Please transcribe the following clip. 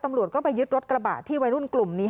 ตำรวจก็ไปยึดรถกระบะที่วัยรุ่นกลุ่มนี้